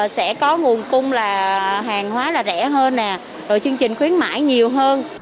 sẽ có nguồn cung là hàng hóa là rẻ hơn rồi chương trình khuyến mãi nhiều hơn